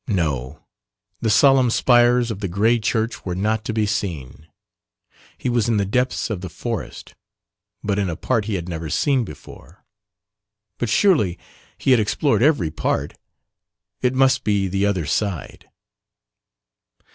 No, the solemn spires of the grey church were not to be seen he was in the depths of the forest; but in a part he had never seen before but surely he had explored every part, it must be the "other side."